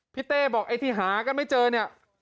เต้บอกไอ้ที่หากันไม่เจอเนี่ย